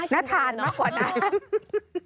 น่าทานมากกว่านั้น